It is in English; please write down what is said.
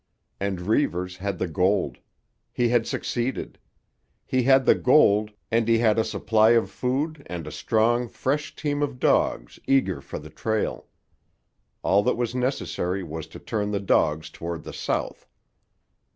And Reivers had the gold. He had succeeded. He had the gold, and he had a supply of food and a strong, fresh team of dogs eager for the trail. All that was necessary was to turn the dogs toward the south.